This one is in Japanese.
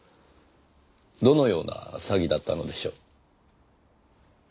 どのような詐欺だったのでしょう？